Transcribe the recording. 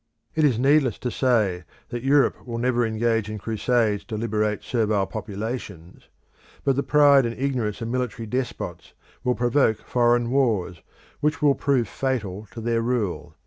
It is needless to say that Europe will never engage in crusades to liberate servile populations; but the pride and ignorance of military despots will provoke foreign wars, which will prove fatal to their rule.